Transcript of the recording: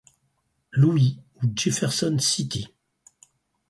Louis ou Jefferson City.